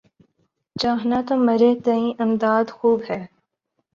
چاہنا تو مرے تئیں امداد خوب ہے۔